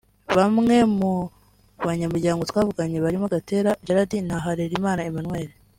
Bamwe mu banyamuryango twavuganye barimo Gatera Gerard na Harerimana Emmanuel